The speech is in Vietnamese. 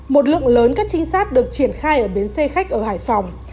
một lượng lớn các trinh sát được triển khai ở bến xe khách ở hải phòng